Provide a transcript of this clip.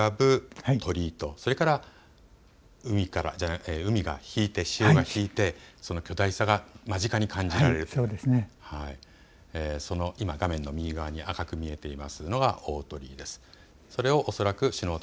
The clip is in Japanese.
海の上に浮かぶ鳥居と、それから潮が引いてその巨大さが間近に感じられる、画面の右側に赤く見えているのが大鳥居です。